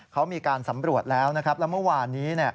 เขามีการสำรวจแล้วนะครับแล้วเมื่อวานนี้